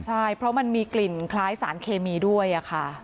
ใช่เพราะมันมีกลิ่นคล้ายสารเคมีด้วยค่ะ